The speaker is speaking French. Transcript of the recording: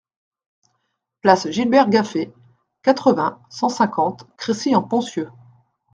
Place Gilbert Gaffet, quatre-vingts, cent cinquante Crécy-en-Ponthieu